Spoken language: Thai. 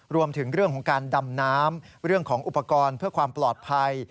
รวมถึงเรื่องของการดำน้ำเรื่องของอุปกรณ์เพื่อความปลอดภัย